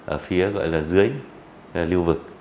ở phía gọi là dưới liêu vực